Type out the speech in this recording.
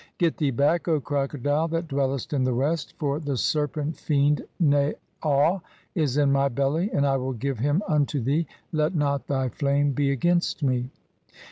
"Get thee back, O Crocodile that dwellest in the West, for 'the serpent fiend Naau is in my belly, and I will give him unto 'thee ; let not thy flame be against me."